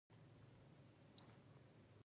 زما هدف د ده ایټالوي پست فطرتي ده.